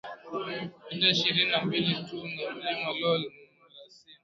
mita ishirini na mbili tu na Mlima Lool Malasin